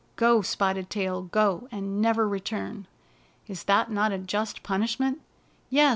Go, Spotted Tail, go, and never return! Is that not a just punish ment?" "Yes!